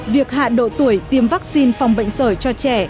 việc hạ độ tuổi tiêm vaccine phòng bệnh sởi cho trẻ